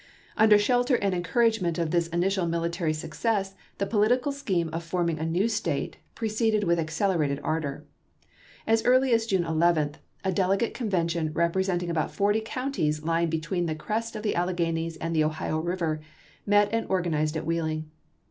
Under shelter and encouragement of this initial military success, the political scheme of forming a new State proceeded with accelerated ardor. As early as June 11, a delegate convention represent isei. ing about forty counties lying between the crest of the Alleghanies and the Ohio Eiver met and organized at Wheeling.